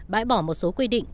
bãi bỏ một số quy định